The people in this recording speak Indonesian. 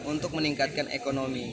untuk meningkatkan ekonomi